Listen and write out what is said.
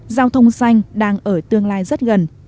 giao thông xanh đang ở tương lai rất gần